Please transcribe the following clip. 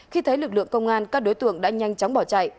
khi thấy lực lượng công an các đối tượng đã nhanh chóng bỏ chạy